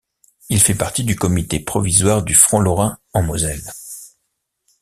Il fait partie du comité provisoire du Front lorrain en Moselle.